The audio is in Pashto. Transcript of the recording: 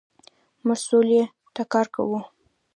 موږ سولې ته کار کوو.